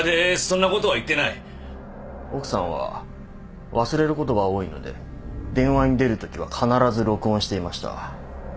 奥さんは忘れることが多いので電話に出るときは必ず録音していました。